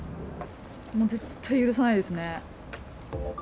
もう絶対許さないですね。